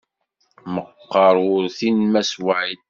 Meqqer urti n mass White.